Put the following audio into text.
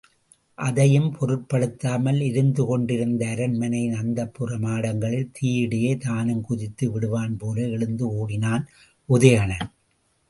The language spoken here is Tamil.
அதையும் பொருட்படுத்தாமல் எரிந்துகொண்டிருந்த அரண்மனையின் அந்தப்புர மாடங்களின் தீயிடையே தானும் குதித்து விடுவான்போல எழுந்து ஓடினான் உதயணன்.